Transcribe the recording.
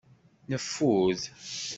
Neffud.